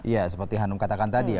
ya seperti hanum katakan tadi ya